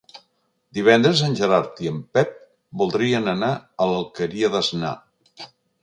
Divendres en Gerard i en Pep voldrien anar a l'Alqueria d'Asnar.